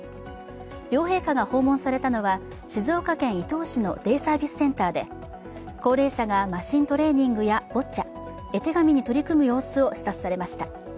両陛下が訪問されたのは静岡県伊東市のデイサービスセンターで高齢者がマシントレーニングやボッチャ、絵手紙に取り組む様子を視察されました。